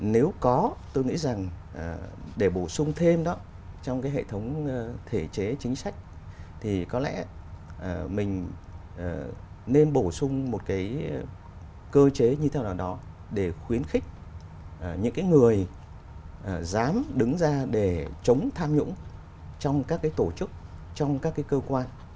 nếu có tôi nghĩ rằng để bổ sung thêm đó trong cái hệ thống thể chế chính sách thì có lẽ mình nên bổ sung một cái cơ chế như thế nào đó để khuyến khích những cái người dám đứng ra để chống tham nhũng trong các cái tổ chức trong các cái cơ quan